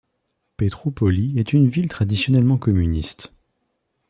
Petroúpoli est une ville traditionnellement communiste.